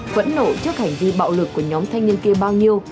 phẫn nộ trước hành vi bạo lực của nhóm thanh niên kia bao nhiêu